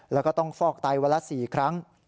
แล้วก็ต้องฟอกไตวันละ๔ครั้ง